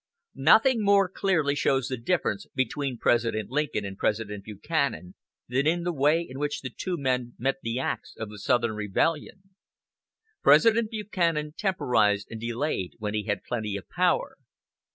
Nothing more clearly shows the difference between President Lincoln and President Buchanan than the way in which the two men met the acts of the Southern Rebellion. President Buchanan temporized and delayed when he had plenty of power.